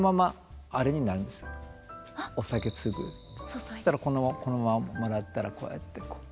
そしたらこのままもらったらこうやってこう。